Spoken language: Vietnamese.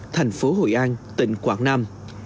thành phố hội an tỉnh quảng nam